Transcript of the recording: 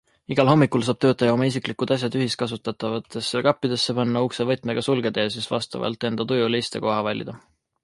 Igal hommikul saab töötaja oma isiklikud asjad ühiskasutatavatesse kappidesse panna, ukse võtmega sulgeda ja siis vastavalt enda tujule istekoha valida.